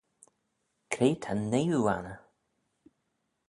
Cre ta'n nuyoo anney?